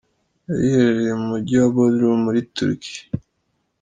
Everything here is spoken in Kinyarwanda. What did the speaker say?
Yari iherereye mu mugi wa Bodrum muri Turquie.